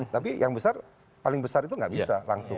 tapi yang besar paling besar itu nggak bisa langsung